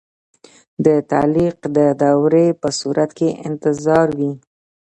د تعلیق د دورې په صورت کې انتظار وي.